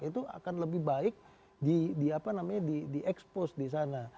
itu akan lebih baik di apa namanya di expose disana